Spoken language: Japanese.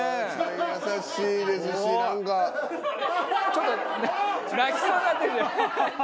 ちょっと泣きそうになってるじゃない！